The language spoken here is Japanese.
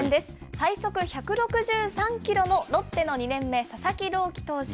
最速１６３キロのロッテの２年目、佐々木朗希投手。